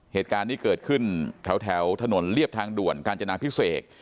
เหตุการณ์นี้เกิดขึ้นแถวถนนเรียบทางด่วนกาญจนาพิเศษ